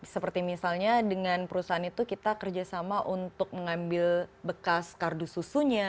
seperti misalnya dengan perusahaan itu kita kerjasama untuk mengambil bekas kardus susunya